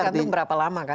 tergantung berapa lama kan